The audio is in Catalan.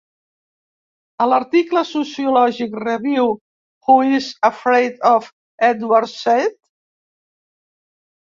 A l'article sociològic, "Review: Who is Afraid of Edward Said?"